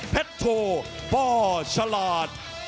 เพชรโทปอร์ชาลาธ